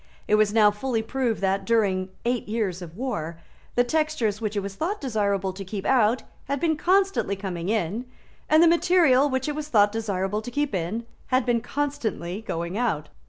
It was now fully proved that, during eight years of war, the textures which it was thought desirable to keep out had been constantly coming in, and the material which it was thought desirable to keep in had been constantly going out.